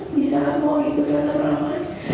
di saat mau ikut senaraman